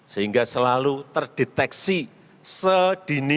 sehingga selalu terdeteksi sedini